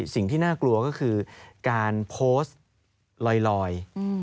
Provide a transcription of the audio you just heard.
สิ่งที่น่ากลัวก็คือการโพสต์ลอย